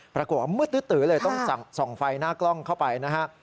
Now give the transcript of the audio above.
ปรากฏว่ามืดตื้อเลยต้องส่องไฟหน้ากล้องเข้าไปนะฮะ